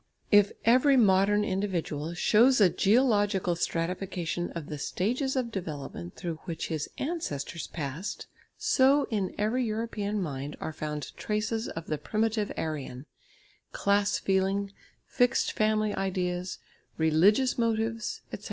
If every modern individual shows a geological stratification of the stages of development through which his ancestors passed, so in every European mind are found traces of the primitive Aryan, class feeling, fixed family ideas, religious motives, etc.